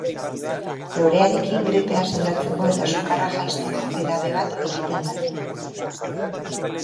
Lorearekin gripea sendatzeko eta sukarra jaisteko edabe bat egiten da.